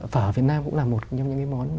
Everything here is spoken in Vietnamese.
phở ở việt nam cũng là một trong những món